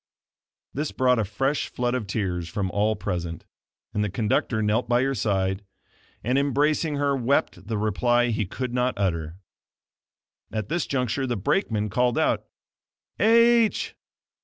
This brought a fresh flood of tears from all present, and the conductor knelt by her side, and, embracing her wept the reply he could not utter. At this juncture the brakeman called out: "H